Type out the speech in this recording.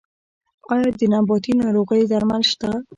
آیا د نباتي ناروغیو درمل شته؟